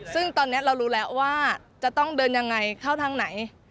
ซึ่งตอนนี้เรารู้แล้วว่าจะต้องเดินยังไงเข้าทางไหน